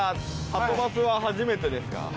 はとバスは初めてですか？